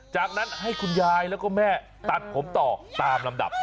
จากนั้นให้คุณยายแล้วก็แม่ตัดผมต่อตามลำดับ